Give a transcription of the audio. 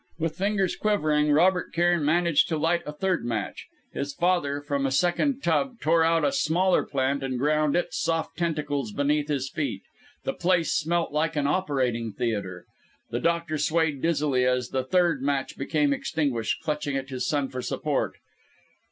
With fingers quivering, Robert Cairn managed to light a third match. His father, from a second tub, tore out a smaller plant and ground its soft tentacles beneath his feet. The place smelt like an operating theatre. The doctor swayed dizzily as the third match became extinguished, clutching at his son for support.